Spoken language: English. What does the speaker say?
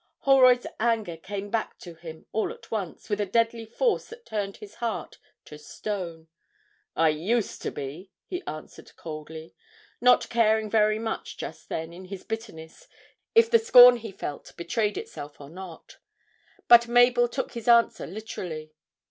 Holroyd's anger came back to him all at once, with a deadly force that turned his heart to stone. 'I used to be,' he answered coldly, not caring very much just then in his bitterness if the scorn he felt betrayed itself or not. But Mabel took his answer literally.